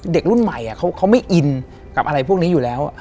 เด็กรุ่นใหม่เขาไม่อินกับอะไรพวกนี้อยู่แล้ว